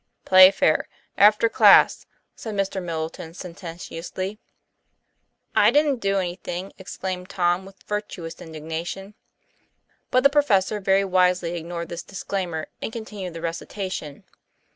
"Playfair, after class," said Mr. Middleton sen tentiously. "I didn't do anything," exclaimed Tom with vir tuous indignation. But the professor very wisely ignored this dis claimer, and continued the recitation.